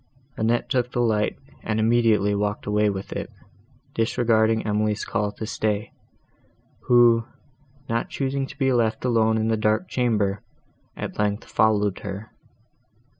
Annette took the light, and immediately walked away with it, disregarding Emily's call to stay, who, not choosing to be left alone in the dark chamber, at length followed her.